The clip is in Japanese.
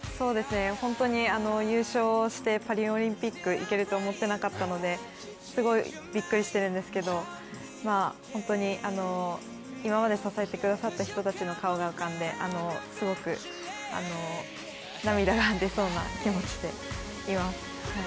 本当に優勝して、パリオリンピック、行けると思っていなかったので、すごいびっくりしてるんですけど本当に今まで支えてくださった人たちの顔が浮かんですごく涙が出そうな気持ちでいます。